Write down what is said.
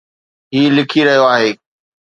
هي لکي رهيو آهي